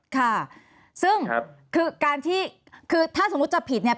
ค่ะซึ่งคือการที่คือถ้าสมมุติจะผิดเนี่ย